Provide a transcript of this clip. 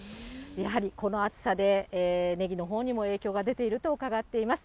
やはり、この暑さで、ねぎのほうにも影響が出ていると伺っています。